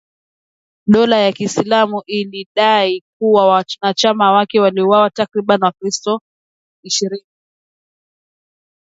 Dola ya Kiislamu ilidai kuwa wanachama wake waliwauwa takribani wakristo ishirini